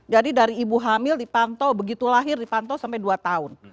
jadi dari ibu hamil dipantau begitu lahir dipantau sampai dua tahun